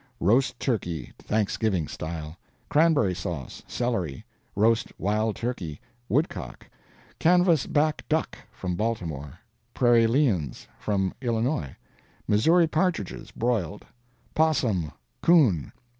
Roast turkey, Thanksgiving style. Cranberry sauce. Celery. Roast wild turkey. Woodcock. Canvas back duck, from Baltimore. Prairie liens, from Illinois. Missouri partridges, broiled. 'Possum. Coon.